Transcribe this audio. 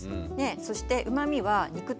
そしてうまみは肉とか魚。